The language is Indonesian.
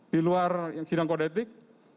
di luar sidang kodetik